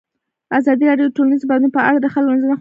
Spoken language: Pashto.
ازادي راډیو د ټولنیز بدلون په اړه د خلکو نظرونه خپاره کړي.